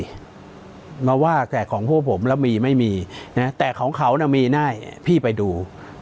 มาว่าแต่ของพวกผมแล้วมีไม่มีนะแต่ของเขาน่ะมีได้พี่ไปดู